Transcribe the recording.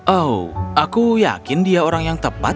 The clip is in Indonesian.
oh aku yakin dia orang yang tepat